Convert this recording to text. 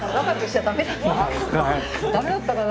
駄目だったかな？